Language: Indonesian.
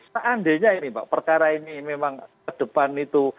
seandainya ini pak perkara ini memang ke depan itu